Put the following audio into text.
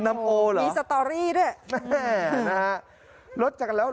น้ำโอหรอมีสตอรี่ด้วย